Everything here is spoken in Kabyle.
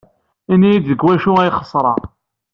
Ini-iyi-d deg wacu ay sxeṣreɣ.